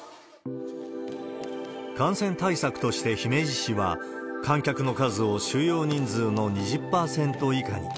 感染対策として姫路市は、観客の数を収容人数の２０％以下に。